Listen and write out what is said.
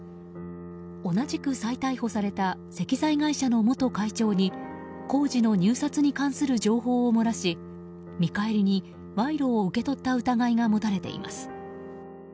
同じく再逮捕された石材会社の元会長に工事の入札に関する情報を漏らし見返りに、賄賂を受け取った疑いが持たれています。